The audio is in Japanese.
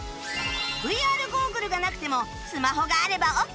ＶＲ ゴーグルがなくてもスマホがあればオッケー